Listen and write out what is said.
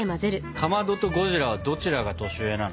かまどとゴジラはどちらが年上なの？